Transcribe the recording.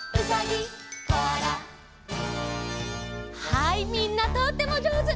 はいみんなとってもじょうず！